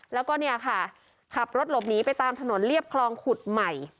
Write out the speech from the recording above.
แล้วก็เนี่ยค่ะขับรถหลบหนีไปตามถนนเรียบคลองขุดใหม่